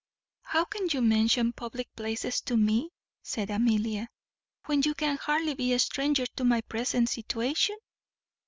"How can you mention public places to me," said Amelia, "when you can hardly be a stranger to my present situation?